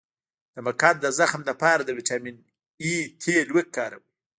د مقعد د زخم لپاره د ویټامین اي تېل وکاروئ